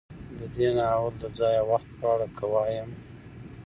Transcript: د دې ناول د ځاى او وخت په اړه که وايم